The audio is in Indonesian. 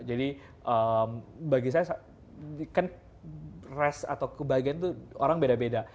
jadi bagi saya kan rest atau kebahagiaan itu orang beda beda